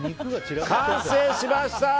完成しました！